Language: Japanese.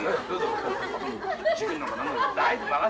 大丈夫。